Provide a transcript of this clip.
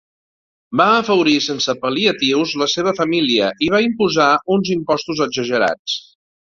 Va afavorir sense pal·liatius la seva família i va imposar uns impostos exagerats.